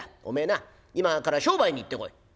おめえな今から商売に行ってこい」。